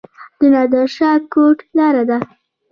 د نادر شاه کوټ لاره ده